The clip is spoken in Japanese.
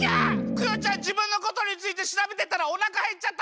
クヨちゃんじぶんのことについてしらべてたらおなかへっちゃった！